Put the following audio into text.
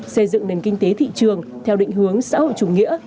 xây dựng nền kinh tế thị trường theo định hướng xã hội chủ nghĩa